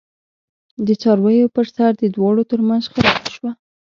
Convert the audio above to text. د څارویو پرسر د دواړو ترمنځ شخړه وشوه.